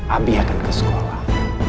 abi akan ke sekolah